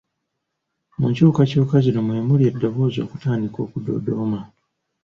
Mu nkyukakyuka zino mwe muli eddoboozi okutandika okudoodooma.